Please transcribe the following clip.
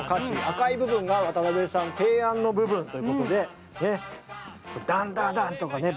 赤い部分が渡辺さん提案の部分ということでダンダダンとかね